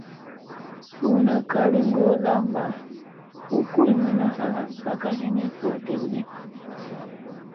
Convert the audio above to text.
Suuna kali goo lamba u kulmiina halaŋ sa ka hini voo dewdi.